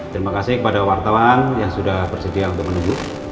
terima kasih kepada wartawan yang sudah bersedia untuk menunggu